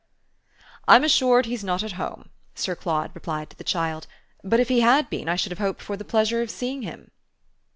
"I'm assured he's not at home," Sir Claude replied to the child; "but if he had been I should have hoped for the pleasure of seeing him."